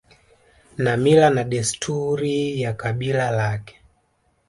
na mila na desturi ya kabila lake